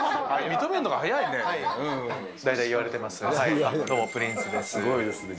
認めんのが早い大体言われてますよね。